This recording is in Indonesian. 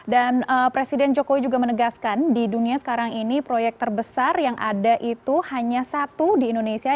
dan presiden jokowi juga menegaskan di dunia sekarang ini proyek terbesar yang ada itu hanya satu di indonesia